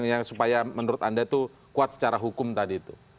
yang supaya menurut anda itu kuat secara hukum tadi itu